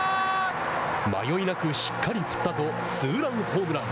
迷いなくしっかり振ったとツーランホームラン。